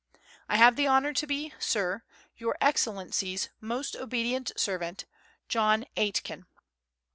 I have the honour to be, Sir, Your Excellency's most obedient servant, JOHN AITKEN.